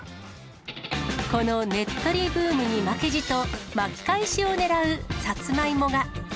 このねっとりブームに負けじと、巻き返しをねらうさつまいもが。